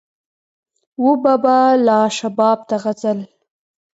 وو به به لا شباب د غزل